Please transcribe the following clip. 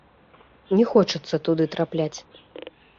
Не хочацца туды трапляць.